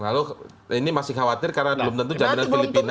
lalu ini masih khawatir karena belum tentu jaminan filipina mengawal kapal jogja